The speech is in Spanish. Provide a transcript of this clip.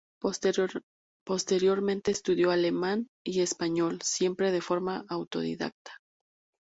Posteriormente estudió alemán y español, siempre de forma autodidacta.